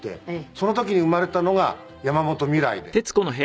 「その時に生まれたのが山本未來で」